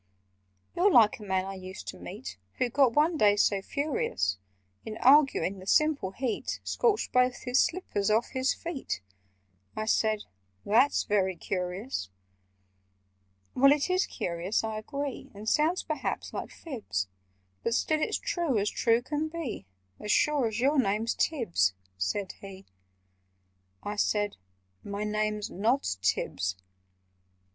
"You're like a man I used to meet, Who got one day so furious In arguing, the simple heat Scorched both his slippers off his feet!" I said "That's very curious!" [Picture: Scorched both his slippers off his feet] "Well, it is curious, I agree, And sounds perhaps like fibs: But still it's true as true can be— As sure as your name's Tibbs," said he. I said "My name's not Tibbs."